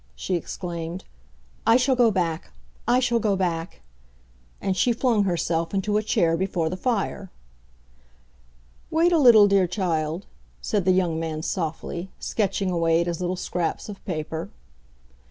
she exclaimed. "I shall go back—I shall go back!" And she flung herself into a chair before the fire. "Wait a little, dear child," said the young man softly, sketching away at his little scraps of paper.